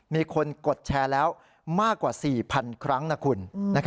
มีคนกดแชร์แล้วมากกว่า๔๐๐๐ครั้งนะคุณ